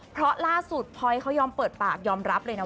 เพราะล่าสุดพลอยเขายอมเปิดปากยอมรับเลยนะ